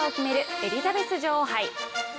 エリザベス女王杯。